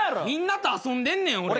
みんなと遊んでんねん。